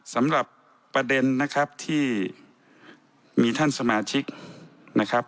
สำหรับประเด็นนะครับที่มีท่านสมาชิกนะครับ